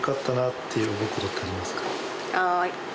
はい。